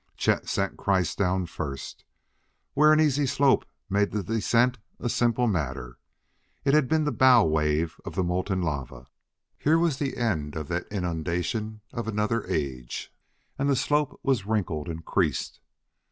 Chet sent Kreiss down first, where an easy slope made the descent a simple matter; it had been the bow wave of the molten lava here was the end of that inundation of another age and the slope was wrinkled and creased.